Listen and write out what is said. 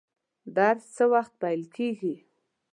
درس څه وخت پیل کیږي؟